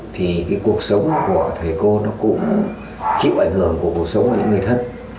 thì cái cuộc sống của thầy cô nó cũng chịu ảnh hưởng của cuộc sống của những người thân